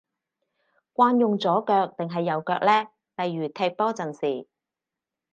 慣用左腳定係右腳呢？例如踢波陣時